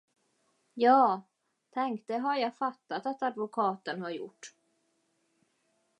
Ja, tänk det har jag fattat att advokaten har gjort.